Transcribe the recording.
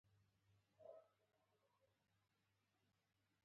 هوښیاري نه درلوده.